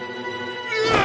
うわ！